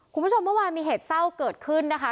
คุณผู้ชมเมื่อวานมีเหตุเศร้าเกิดขึ้นนะคะ